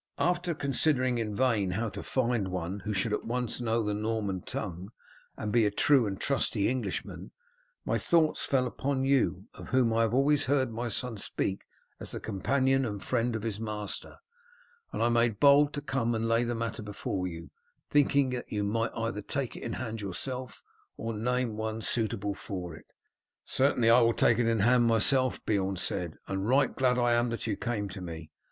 After considering in vain how to find one who should at once know the Norman tongue and be a true and trustworthy Englishman, my thoughts fell upon you, of whom I have always heard my son speak as the companion and friend of his master, and I made bold to come and lay the matter before you, thinking that you might either take it in hand yourself or name one suitable for it." "Certainly I will take it in hand myself," Beorn said, "and right glad am I that you came to me.